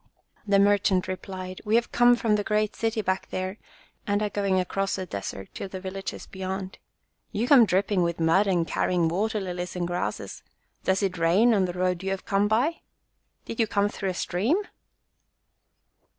The merchant replied, "We have come from the great city back there and are going across the desert to the villages beyond. You come dripping with mud and carrying water lilies and grasses. Does it rain on the road you have come by? Did you come through a stream?"